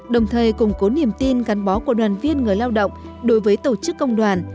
đồng thời củng cố niềm tin gắn bó của đoàn viên người lao động đối với tổ chức công đoàn